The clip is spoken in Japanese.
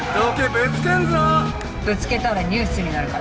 ぶつけたらニュースになるから。